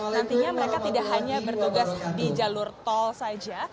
nantinya mereka tidak hanya bertugas di jalur tol saja